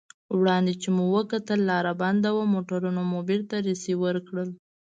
وړاندې چې مو وکتل لار بنده وه، موټرونه مو بېرته رېورس کړل.